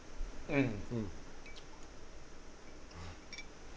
うん